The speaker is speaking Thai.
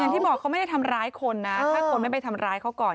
ที่บอกเขาไม่ได้ทำร้ายคนนะถ้าคนไม่ไปทำร้ายเขาก่อน